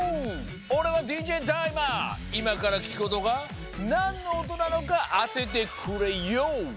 おれはＤＪいまからきくおとがなんのおとなのかあててくれＹＯ。